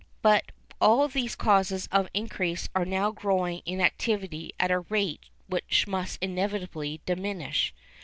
But all these causes of increase are now growing in activity at a rate which must inevitably diminish.